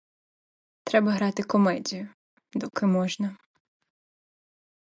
Треба грати комедію, доки можна.